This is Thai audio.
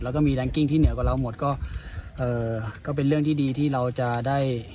แล้วก็มีแรงกิ้งที่เหนือกว่าเราหมดก็เอ่อก็เป็นเรื่องที่ดีที่เราจะได้